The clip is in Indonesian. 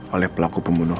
oleh pelaku pembunuh